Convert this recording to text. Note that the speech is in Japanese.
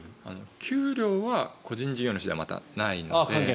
給料は個人事業主ではないので。